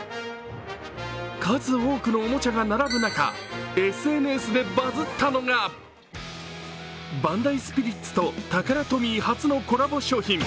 数多くのおもちゃが並ぶ中、ＳＮＳでバズったのがＢＡＮＤＡＩＳＰＩＲＩＴＳとタカラトミー初のコラボ商品。